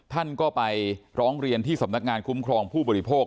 ท่านก็ไปร้องเรียนที่สำนักงานคุ้มครองผู้บริโภค